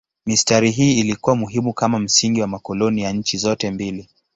Mistari hii ilikuwa muhimu kama msingi wa makoloni ya nchi zote mbili.